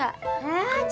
hah jangan hehehe